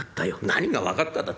「何が分かっただ。